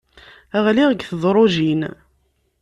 Ɣliɣ deg tedrujin.